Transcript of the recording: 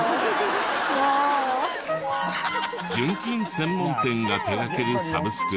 専門店が手がけるサブスクで。